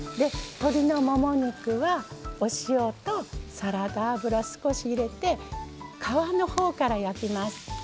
鶏のもも肉は、お塩とサラダ油少し入れて皮のほうから焼きます。